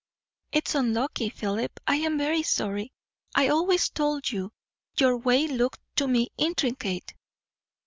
It's unlucky, Philip. I am very sorry. I always told you your way looked to me intricate."